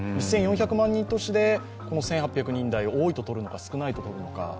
１４００万人都市で１８００人台多いととるか少ないととるのか。